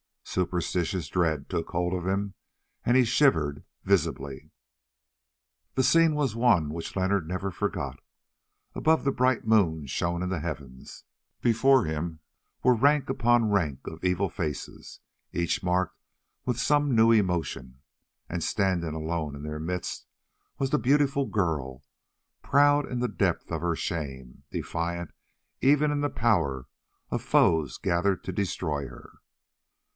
Superstitious dread took hold of him, and he shivered visibly. The scene was one which Leonard never forgot. Above the bright moon shone in the heavens, before him were rank upon rank of evil faces, each marked with some new emotion, and standing alone in their midst was the beautiful girl, proud in the depth of her shame, defiant even in the power of foes gathered to destroy her.